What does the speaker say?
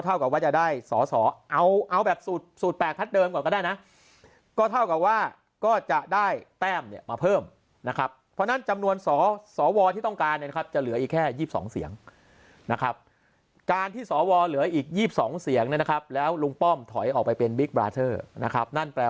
เท่ากับว่าจะได้สอเอาแบบสูตรแปลกทัศน์เดิมก่อนก็ได้